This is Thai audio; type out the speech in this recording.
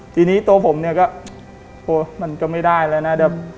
ทีนี้ตัวผมเนี่ยก็โหมันก็ไม่ได้แล้วนะ